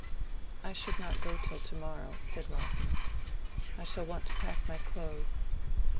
"I should not go till to morrow," said Rosamond; "I shall want to pack my clothes."